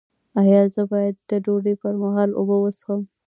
ایا زه باید د ډوډۍ پر مهال اوبه وڅښم؟